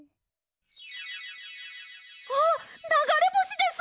あっながれぼしです！